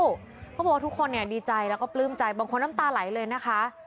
เขาบอกว่าทุกคนดีใจแล้วก็ปลื้มใจบางคนน้ำตาไหลเลยนะคะ